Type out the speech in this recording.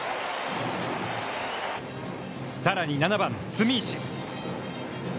さらに７番住石。